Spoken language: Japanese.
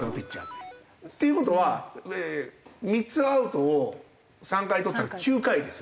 っていう事は３つアウトを３回とったら９回ですよ。